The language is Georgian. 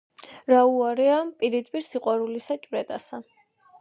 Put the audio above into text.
რა უარეა პირიდ- პირ საყვარელისა ჭვრეტასა!